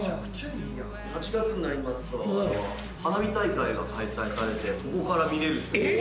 ８月になりますと花火大会が開催されてここから見れるそうです。